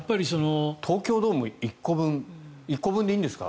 東京ドーム１個分１個分でいいんですか？